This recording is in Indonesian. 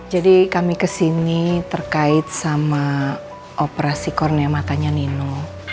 jadi kami kesini terkait sama operasi kornea matanya nino